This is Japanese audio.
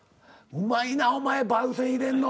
うまいなお前番宣入れんの。